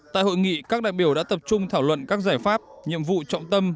tại hội nghị các đại biểu đã tập trung thảo luận các giải pháp nhiệm vụ trọng tâm